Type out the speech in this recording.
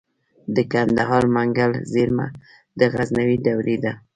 د کندهار منگل زیرمه د غزنوي دورې ده